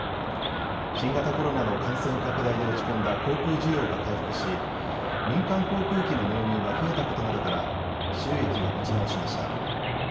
新型コロナの感染拡大で落ち込んだ航空需要が回復し民間航空機の納入が増えたことなどから収益が持ち直しました。